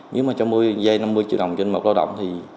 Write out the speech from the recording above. nếu mà cho dây năm mươi triệu đồng trên một lao động thì